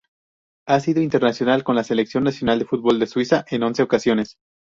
Ha sido internacional con la Selección nacional de fútbol de Suiza en once ocasiones.